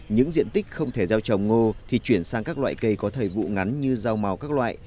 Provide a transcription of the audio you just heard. những diện tích không thể gieo trồng ngô thì chuyển sang các loại cây có thời vụ ngắn như rau màu các loại